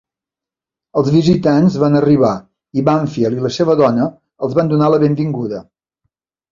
Els visitants van arribar i Banfield i la seva dona els van donar la benvinguda.